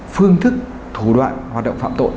phương thức thủ đoạn hoạt động phạm tội